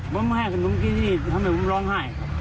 ผมไม่ให้คุณน้องกินที่นี่ทำให้ผมร้องไห้